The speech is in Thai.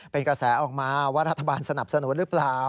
เป็นกระแสออกมาว่ารัฐบาลสนับสนุนหรือเปล่า